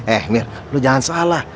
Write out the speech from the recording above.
eh mir lo jangan salah